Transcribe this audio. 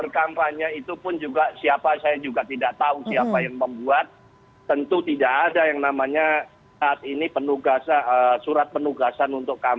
ketua dpp pdi perjuangan